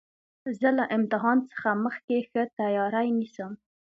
زه له امتحان څخه مخکي ښه تیاری نیسم.